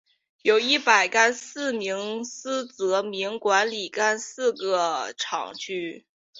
由一百廿四名司铎名管理廿四个堂区。